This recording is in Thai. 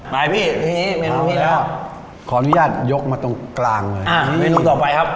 พี่ทีนี้เมนูนี้แล้วขออนุญาตยกมาตรงกลางเลยอ่าเมนูต่อไปครับ